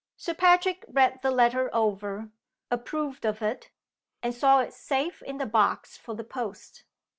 Sir Patrick read the letter over, approved of it, and saw it safe in the box for the post.